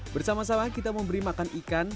bersama sama kita memberi makan ikan